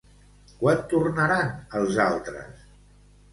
Quan tornaran, els altres?